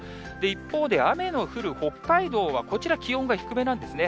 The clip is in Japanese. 一方で、雨の降る北海道はこちら、気温が低めなんですね。